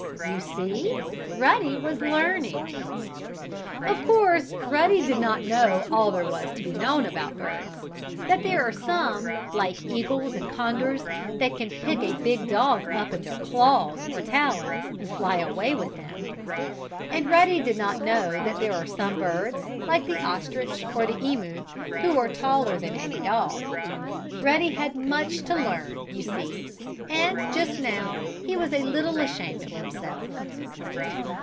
You see Ruddy was learning. Of course Ruddy did not know all there was to be known about birds that there are some, like eagles and condors, that can pick a big dog up in their claws, or talons, and fly away with him. And Ruddy did not know that there are some birds, like the ostrich or the emu, who are taller than any dog. Ruddy had much to learn, you see, and, just now, he was a little ashamed of himself.